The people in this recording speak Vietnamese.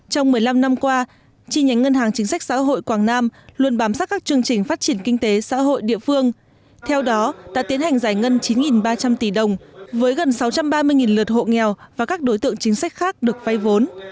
trong một mươi năm năm qua chi nhánh ngân hàng chính sách xã hội quảng nam luôn bám sát các chương trình phát triển kinh tế xã hội địa phương theo đó đã tiến hành giải ngân chín ba trăm linh tỷ đồng với gần sáu trăm ba mươi lượt hộ nghèo và các đối tượng chính sách khác được phay vốn